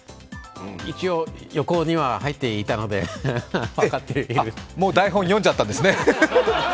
一応、横には入っていたので台本読んじゃったんですね。